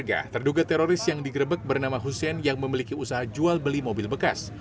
warga terduga teroris yang digerebek bernama hussein yang memiliki usaha jual beli mobil bekas